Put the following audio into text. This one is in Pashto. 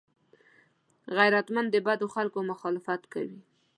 غیرتمند د بدو خلکو مخالفت کوي